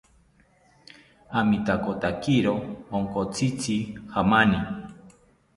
Amitakotakiro onkotzitzi jamani